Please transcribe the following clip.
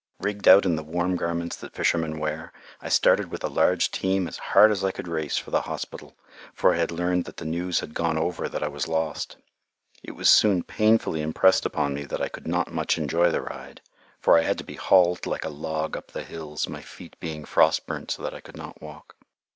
Rigged out in the warm garments that fishermen wear, I started with a large team as hard as I could race for the hospital, for I had learnt that the news had gone over that I was lost. It was soon painfully impressed upon me that I could not much enjoy the ride, for I had to be hauled like a log up the hills, my feet being frost burnt so that I could not walk.